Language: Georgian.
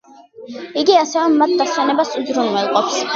იგი ასევე მათ დასვენებას უზრუნველყოფს.